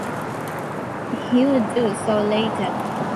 He would do so later.